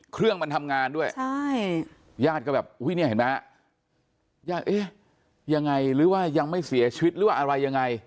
เครื่องมันทำงานด้วยใช่ญาติก็แบบอุ้ยเนี่ยเห็นไหมฮะญาติเอ๊ะยังไงหรือว่ายังไม่เสียชีวิตหรือว่าอะไรยังไง